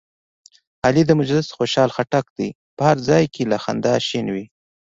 علي د مجلس خوشحال خټک دی، په هر ځای کې له خندا شین وي.